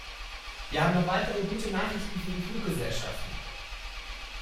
Wir haben noch weitere gute Nachrichten für die Fluggesellschaften.